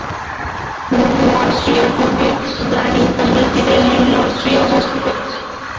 ঊর্ধ্ব অস্ট্রিয়ার পূর্বে, দানিউব নদীর তীরে নিম্ন অস্ট্রিয়া অবস্থিত।